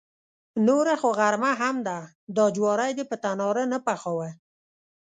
نوره خو غرمه هم ده، دا جواری دې په تناره نه پخاوه.